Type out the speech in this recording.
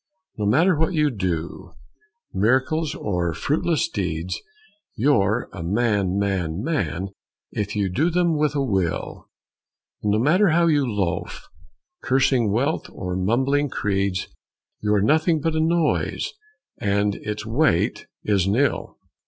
No matter what you do, miracles or fruitless deeds, You're a man, man, man, if you do them with a will; And no matter how you loaf, cursing wealth or mumbling creeds, You are nothing but a noise, and its weight is nil.